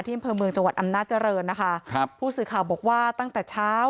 อำเภอเมืองจังหวัดอำนาจริงนะคะครับผู้สื่อข่าวบอกว่าตั้งแต่เช้า